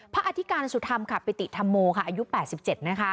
พระอธิกาลสุธรรมปิติธรรโมอายุ๘๗นะคะ